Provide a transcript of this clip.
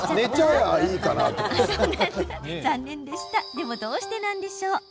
でも、どうしてなんでしょう？